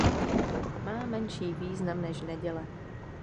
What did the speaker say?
Má menší význam než neděle.